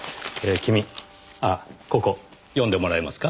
君あっここ読んでもらえますか？